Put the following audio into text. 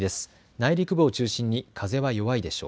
内陸部を中心に風は弱いでしょう。